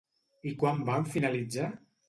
I quan van finalitzar?